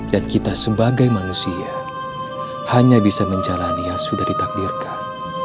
dan kita sebagai manusia hanya bisa menjalani yang sudah ditakdirkan